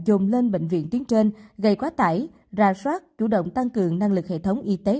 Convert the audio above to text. dồn lên bệnh viện tuyến trên gây quá tải ra soát chủ động tăng cường năng lực hệ thống y tế